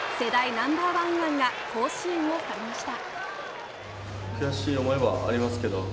ナンバーワン右腕が甲子園を去りました。